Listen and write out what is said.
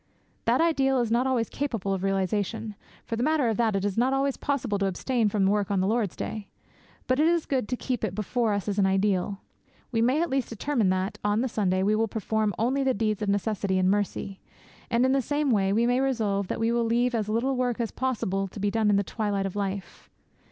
That ideal is not always capable of realization. For the matter of that, it is not always possible to abstain from work on the Lord's Day. But it is good to keep it before us as an ideal. We may at least determine that, on the Sunday, we will perform only deeds of necessity and mercy. And, in the same way, we may resolve that we will leave as little work as possible to be done in the twilight of life.